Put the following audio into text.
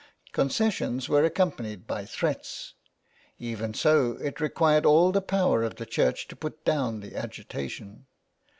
Concessions were accom panied by threats. Even so it required all the power of the Church to put down the agitation.